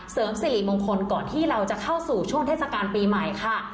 เสริมสิริมงคลก่อนที่เราจะเข้าสู่ช่วงเทศกาลปีใหม่ค่ะ